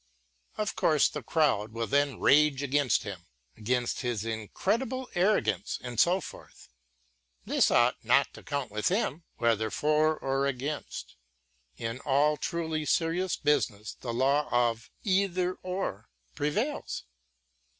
Of course the crowd will then rage against him, against his incredible arrogance and so forth. This ought not to count with him, whether for or against. Tn all truly serious business the law of: eitherŌĆöor, prevails.